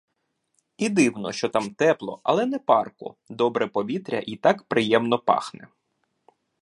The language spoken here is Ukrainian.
І дивно, що там тепло, але не парко, добре повітря й так приємно пахне.